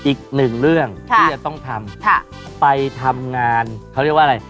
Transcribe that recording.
อีกหนึ่งเรื่องที่จะต้องทำไปทำงานเขาเรียกว่าอะไร